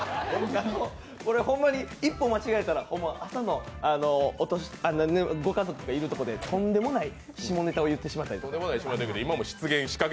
これほんまに一歩間違えたら朝のご家族とかいるところでとんでもない下ネタを言ってしまったりとか。